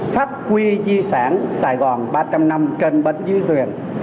phát quy di sản sài gòn ba trăm linh năm trên bến dưới tuyển